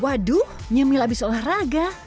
waduh nyemil abis olahraga